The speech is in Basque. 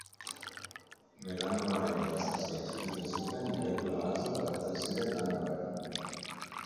Melanomaren metastasia txikitzen zuten molekula batzuk agertzen ziren lan horretan.